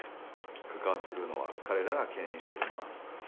関わってくるのは彼らが懸念してるのは。